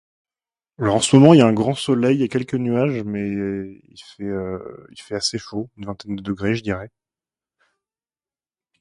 Alors, souvent il y a un grand soleil et quelques nuages mais c'est, euh, il fait assez chaud, une vingtaine de degrés, j'dirai